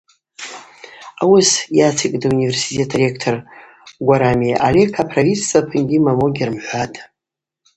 Ауыс йацикӏтӏ ауниверситет аректор Гварамия Алеко, аправительства апынгьи момо гьрымхӏватӏ.